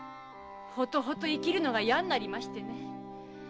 ほとほと生きるのが嫌になりましてね。